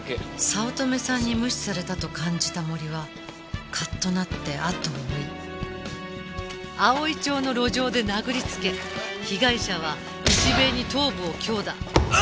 早乙女さんに無視されたと感じた森はカッとなってあとを追い葵町の路上で殴りつけ被害者は石塀に頭部を強打。